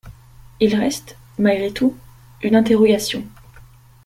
Il reste, malgré tout, une interrogation.